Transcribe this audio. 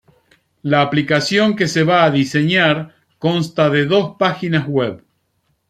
La aplicación que se va a diseñar consta de dos páginas web.